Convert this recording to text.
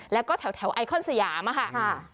แล้วก็แถวไอคอนสยามค่ะ